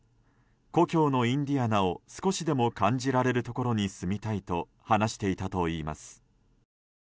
故郷のインディアナを少しでも感じられるところに住みたいと話していたといいます。